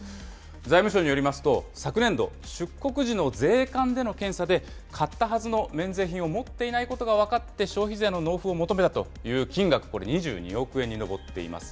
財務省によりますと、昨年度、出国時の税関での検査で、買ったはずの免税品を持っていないことが分かって、消費税の納付を求めたという金額、これ、２２億円に上っています。